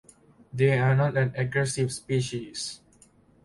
They are not an aggressive species.